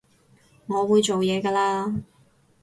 我會做嘢㗎喇